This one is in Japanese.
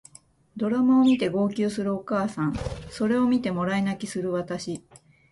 ドラマを見て号泣するお母さんそれを見てもらい泣きする私